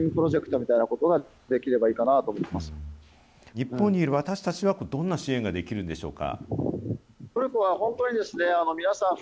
日本にいる私たちは、どんな支援ができるんでしょうか。